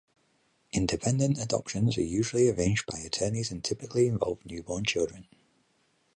Independent adoptions are usually arranged by attorneys and typically involve newborn children.